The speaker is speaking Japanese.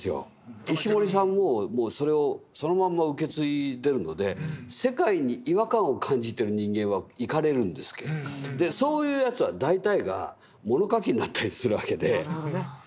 石森さんもそれをそのまんま受け継いでるので世界に違和感を感じてる人間はイカれるんですけどそういうヤツは大体が物書きになったりするわけで。